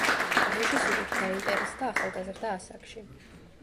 რეჟისურით დაინტერესდა ახალგაზრდა ასაკში.